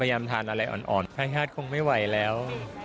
พยายามทานอะไรอ่อนไข้คงไม่ไหวแล้ว